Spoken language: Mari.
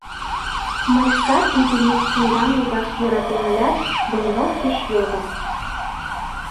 Мый шкат изинек книгам лудаш йӧратем ылят, Блинов деч йодым: